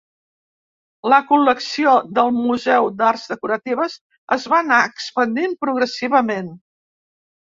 La col·lecció del Museu d'Arts decoratives es va anar expandint progressivament.